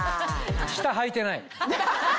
下はいてない。